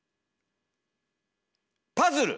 パズル！